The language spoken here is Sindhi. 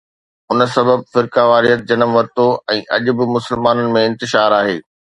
ان سبب فرقيواريت جنم ورتو ۽ اڄ به مسلمانن ۾ انتشار آهي.